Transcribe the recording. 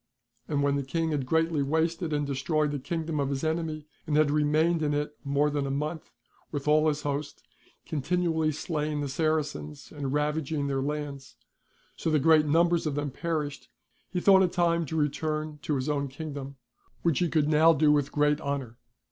And when the King had greatly wasted and destroyed the kingdom of his enemy, and had remained in it more than a month with all his host, continually slaying the Saracens, and ravaging their lands (so that great numbers of them perished), he thought it time to return to his own kingdom, which he could now do with great honour.